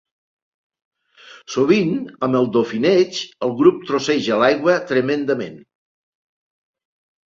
Sovint amb el dofineig, el grup trosseja l'aigua tremendament.